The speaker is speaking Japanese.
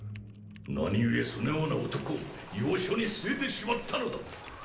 何ゆえそのような男を要所に据えてしまったのだ。